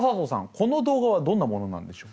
この動画はどんなものなんでしょう？